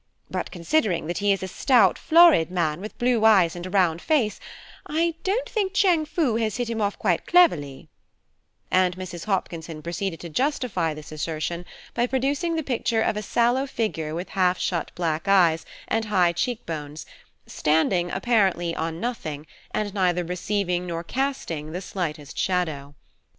But considering that he is a stout, florid man with blue eyes and a round face, I don't think Chiang Foo has hit him off quite cleverly"; and Mrs. Hopkinson proceeded to justify this assertion by producing the picture of a sallow figure with half shut black eyes and high cheek bones, standing apparently on nothing, and neither receiving nor casting the slightest shadow.